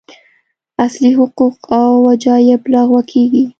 اصلي حقوق او وجایب لغوه کېږي.